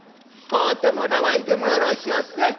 「買うてもらわいでもよろしおすえ。